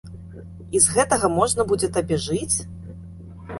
І з гэтага можна будзе табе жыць?